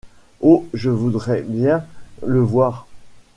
Oh ! je voudrais bien le voir…